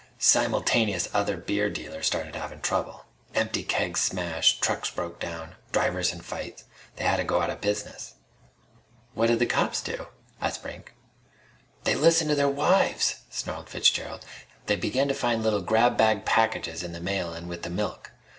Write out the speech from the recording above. "Simultaneous other beer dealers started havin' trouble. Empty kegs smashed. Trucks broke down. Drivers in fights. They hadda go outta business!" "What did the cops do?" asked Brink. "They listened to their wives!" snarled Fitzgerald. "They begun to find little grabbag packages in the mail an' with the milk.